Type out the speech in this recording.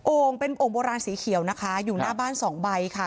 เป็นโอ่งโบราณสีเขียวนะคะอยู่หน้าบ้านสองใบค่ะ